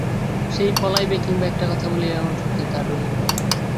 সে পলাইবে কিম্বা একটা কথা বলিবে এমন শক্তি তার রহিল না।